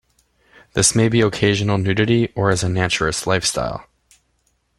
This may be occasional nudity or as a naturist lifestyle.